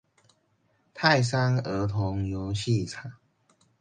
泰山兒童遊戲場